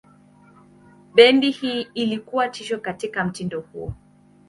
Bendi hii ilikuwa tishio katika mtindo huo.